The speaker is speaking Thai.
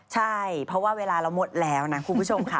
ใช่เพราะว่าเวลาเราหมดแล้วนะคุณผู้ชมค่ะ